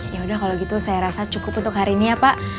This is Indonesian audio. ya udah kalau gitu saya rasa cukup untuk hari ini ya pak